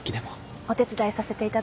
お手伝いさせていただきます。